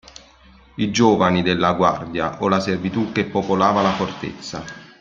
I giovani della guardia o la servitù che popolava la fortezza.